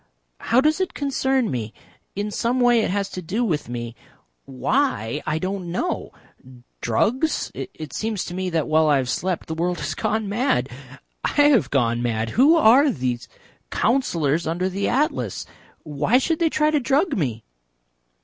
How does it concern me? In some way it has to do with me. Why, I don't know. Drugs? It seems to me that while I have slept the world has gone mad. I have gone mad.... Who are those Councillors under the Atlas? Why should they try to drug me?"